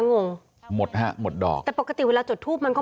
งงหมดฮะหมดดอกแต่ปกติเวลาจุดทูปมันก็